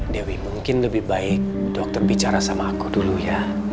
dewi mungkin lebih baik dokter bicara sama aku dulu ya